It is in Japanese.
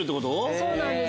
そうなんです。